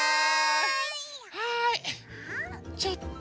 はいちょっと。